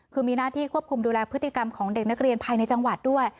คือมีหน้าที่ควบคุมดูแลพฤติกรรมของเด็กนักเรียนภายในจังหวัดด้วย